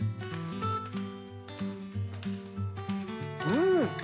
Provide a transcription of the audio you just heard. うん！